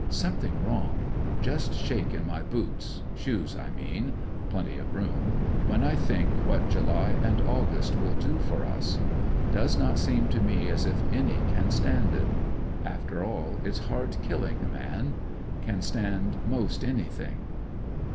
Something wrong. Just shake in my boots — shoes, I mean, (plenty of room) when I think what July and August will do for us. Does not seem to me as if any can stand it After all, it's hard killing a man. Can stand most anything.